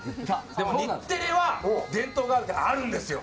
でも日テレは伝統があるから、あるんですよ。